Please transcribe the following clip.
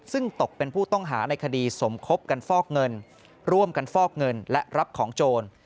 ซึ่งตกเป็นผู้ต้องหาในคดีสมคบกันฟอกเงินร่วมกันฟอกเงินและรับของโจร